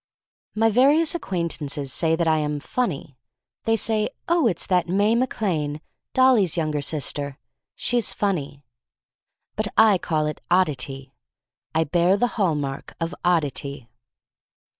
My various acquaintances say that I am funny. They say, Oh, it's that May Mac Lane, Dolly's younger sister. She's funny." But I call it odd ity. I bear the hall mark of oddity.